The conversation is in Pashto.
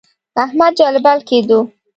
احمد جلبل کېدو.